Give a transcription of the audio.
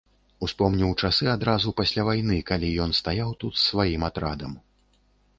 Успомнілі часы адразу пасля вайны, калі ён стаяў тут з сваім атрадам.